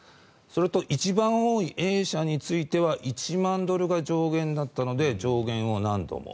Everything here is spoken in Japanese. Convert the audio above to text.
それと、一番多いＡ社については１万ドルが上限だったので上限を何度も。